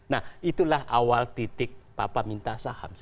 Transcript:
nah itulah awal titik papa minta saham